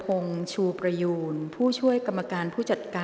กรรมการท่านแรกนะคะได้แก่กรรมการใหม่เลขกรรมการขึ้นมาแล้วนะคะ